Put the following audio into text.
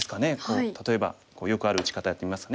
例えばよくある打ち方やってみますね。